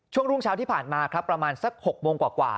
รุ่งเช้าที่ผ่านมาครับประมาณสัก๖โมงกว่า